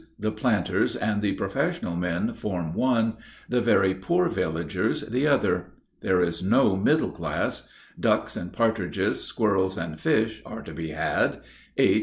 The planters and the professional men form one; the very poor villagers the other. There is no middle class. Ducks and partridges, squirrels and fish, are to be had. H.